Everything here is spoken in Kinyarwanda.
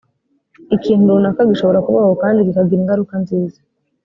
ikintu runaka gishobora kubaho kandi kikagira ingaruka nziza